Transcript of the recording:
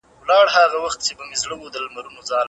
هغه وويل چي صبر ګټور دی.